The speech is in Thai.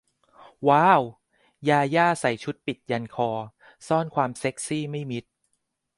ว้าว ญาญ่า ใส่ชุดปิดยันคอ ซ่อนความเซ็กซี่ไม่มิด